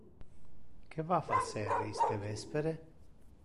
Que va facer iste vespere?